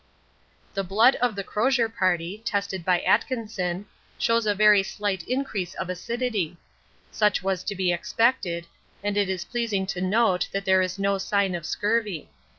The blood of the Crozier Party, tested by Atkinson, shows a very slight increase of acidity such was to be expected, and it is pleasing to note that there is no sign of scurvy.